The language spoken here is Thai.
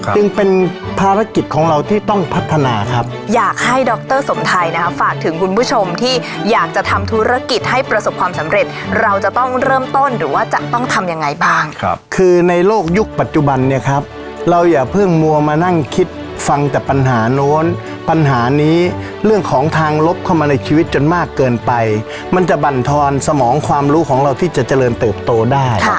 จริงมันธรรมดามากนะครับข้าวเหนียวกาย่างไก่ทอด